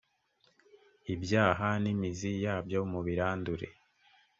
ibyaha nimiziyabyo mubirandure.